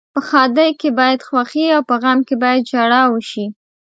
په ښادۍ کې باید خوښي او په غم کې باید ژاړا وشي.